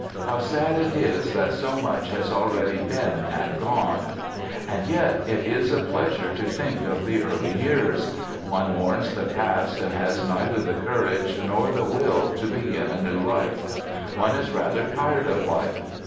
How sad it is that so much has already been and gone! And yet it is a pleasure to think of the early years. One mourns the past and has neither the courage nor the will to begin a new life. One is rather tired of life.